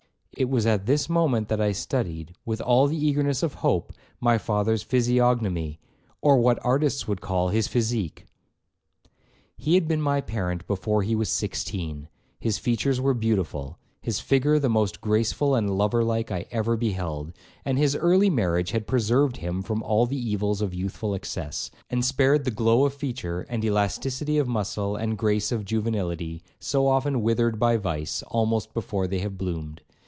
It was at this moment that I studied, with all the eagerness of hope, my father's physiognomy, or what artists would call his physique. 1 'Fire for the cigars, and iced water for drink.'—A cry often heard in Madrid. 'He had been my parent before he was sixteen; his features were beautiful, his figure the most graceful and lover like I ever beheld, and his early marriage had preserved him from all the evils of youthful excess, and spared the glow of feature, and elasticity of muscle, and grace of juvenility, so often withered by vice, almost before they have bloomed.